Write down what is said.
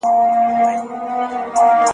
توري چرگي سپيني هگۍ اچوي.